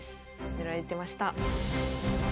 塗られてました。